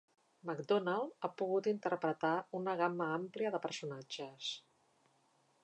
McDonald ha pogut interpretar una gamma àmplia de personatges.